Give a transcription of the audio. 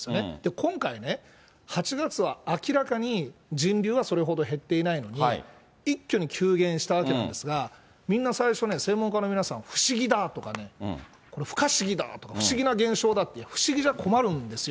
今回ね、８月は明らかに人流はそれほど減っていないのに、一挙に急減したわけなんですが、みんな最初ね、専門家の皆さん、不思議だとかね、これ、不可思議だとか、不思議な現象だって、不思議じゃ困るんですよ。